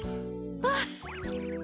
あっ。